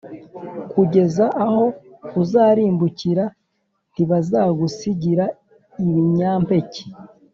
kugeza aho uzarimbukira. Ntibazagusigira ibinyampeke,